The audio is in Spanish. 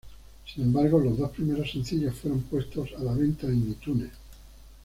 Sin embargo, los dos primeros sencillos fueron puestos a la venta en iTunes.